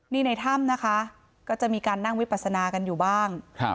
นี่ในถ้ำนะคะก็จะมีการนั่งวิปัสนากันอยู่บ้าง